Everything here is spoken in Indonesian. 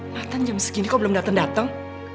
matan jam segini kok belum dateng dateng